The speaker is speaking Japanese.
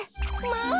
まあ！